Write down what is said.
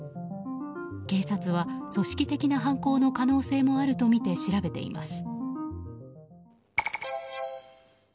警察は組織的な犯行の可能性もあるとみて調べています。